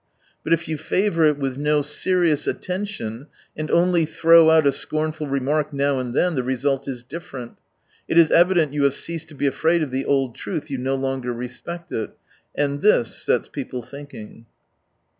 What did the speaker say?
But if you favour it with no serious attention, and only throw out a scornful remark now and then, the result is different. It is evident you have ceased to be afraid of the old truth, you no longer respect it. And this sets people thinking.